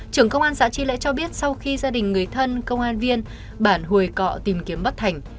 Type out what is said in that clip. trưởng công an xã tri lễ cho biết sau khi gia đình người thân công an viên bản hồi cọ tìm kiếm bất thành